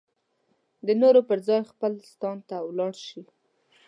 د نورو پر ځای خپل ستان ته ولاړ شي.